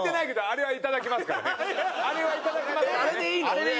あれはいただきますからね。